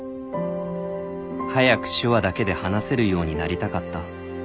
「早く手話だけで話せるようになりたかった」